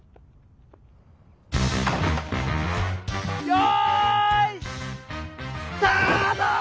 よいスタート！